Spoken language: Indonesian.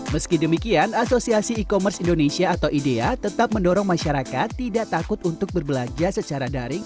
meski demikian asosiasi e commerce indonesia atau idea tetap mendorong masyarakat tidak takut untuk berbelanja secara daring